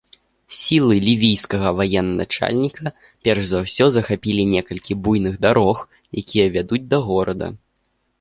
Сілы лівійскага ваеначальніка перш за ўсё захапілі некалькі буйных дарог, якія вядуць да горада.